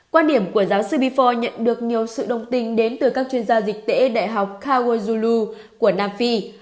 quan điểm của giáo sư bifor nhận được nhiều sự đồng tình đến từ các chuyên gia dịch tễ đại học kawajulu của nam phi